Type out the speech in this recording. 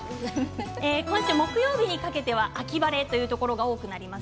木曜日にかけては秋晴れというところが多くなります。